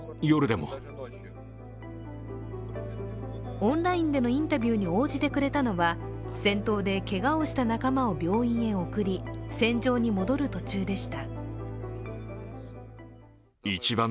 オンラインでのインタビューに応じてくれたのは、戦闘でけがをした仲間を病院へ送り戦場に戻る途中でした。